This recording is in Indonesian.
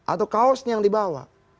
atau kaosnya yang dibawa